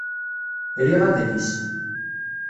Riɣ adlis.